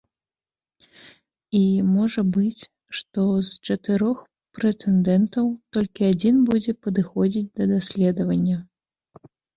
І можа быць, што з чатырох прэтэндэнтаў толькі адзін будзе падыходзіць да даследавання.